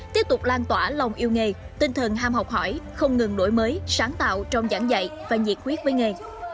tiếp tục lan tỏa lòng yêu nghề tinh thần ham học hỏi không ngừng đổi mới sáng tạo trong giảng dạy và nhiệt huyết với nghề